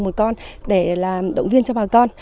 một con để là động viên cho bà con